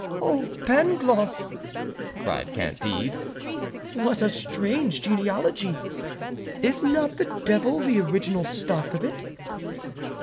"Oh, Pangloss!" cried Candide, "what a strange genealogy! Is not the Devil the original stock of it?"